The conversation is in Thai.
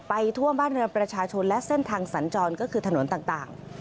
ท่วมบ้านเรือนประชาชนและเส้นทางสัญจรก็คือถนนต่าง